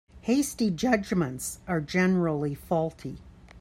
Hasty judgements are generally faulty.